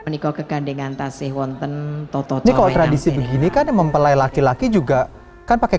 nikau kegandengan tasih wanten toto toe tradisi begini kan mempelai laki laki juga kan pakai